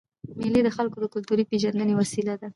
مېلې د خلکو د کلتوري پېژندني وسیله ده.